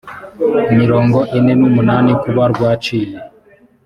mirongo ine n umunani kuba rwaciye